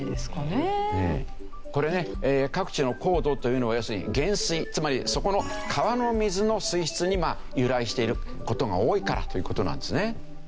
これね各地の硬度というのは要するに原水つまりそこの川の水の水質に由来している事が多いからという事なんですね。